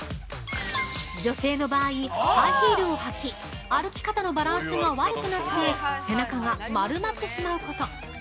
女性の場合、ハイヒールを履き歩き方のバランスが悪くなって背中が丸まってしまうこと。